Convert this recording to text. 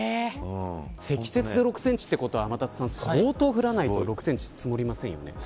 積雪で６センチということはそうとう降らないと６センチ積もりませんよね。